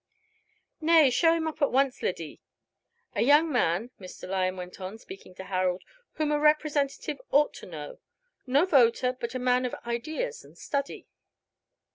"Nay, show him in at once, Lyddy. A young man," Mr. Lyon went on, speaking to Harold, "whom a representative ought to know no voter, but a man of ideas and study."